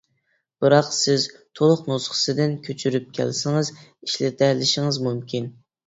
بىراق سىز تولۇق نۇسخىسىدىن كۆچۈرۈپ كەلسىڭىز ئىشلىتەلىشىڭىز مۇمكىن.